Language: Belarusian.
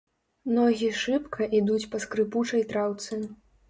Ногі шыбка ідуць па скрыпучай траўцы.